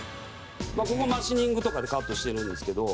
ここマシニングとかでカットしてるんですけど。